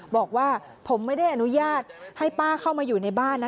บอกว่าผมไม่ได้อนุญาตให้ป้าเข้ามาอยู่ในบ้านนะ